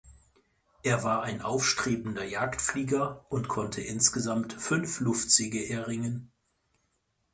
Er war ein aufstrebender Jagdflieger und konnte insgesamt fünf Luftsiege erringen.